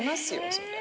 そりゃ。